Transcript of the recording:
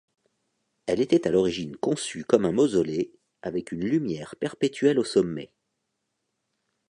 Elle était à l'origine conçue comme un mausolée, avec une lumière perpétuelle au sommet.